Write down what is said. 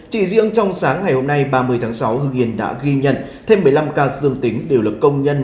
chỉ riêng trong sáng ngày hôm nay ba mươi tháng sáu hưng yên đã ghi nhận thêm một mươi năm ca dương tính đều là công nhân